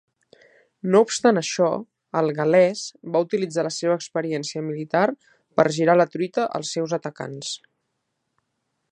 No obstant això, el Gal·lès va utilitzar la seva experiència militar per girar la truita als seus atacants.